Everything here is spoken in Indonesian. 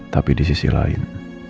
tapi di sisi lain